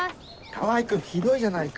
川合君ひどいじゃないか。